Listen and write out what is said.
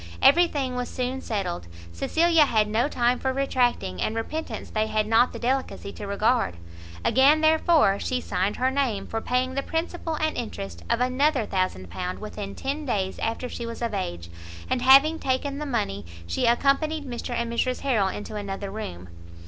Every thing was soon settled, Cecilia had no time for retracting, and repentance they had not the delicacy to regard; again, therefore, she signed her name for paying the principal and interest of another 1000l. within ten days after she was of age; and having taken the money, she accompanied Mr and Mrs Harrel into another room.